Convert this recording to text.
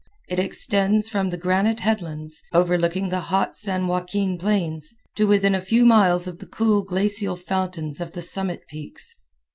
It extends from the granite headlands, overlooking the hot San Joaquin plains, to within a few miles of the cool glacial fountains of the summit peaks.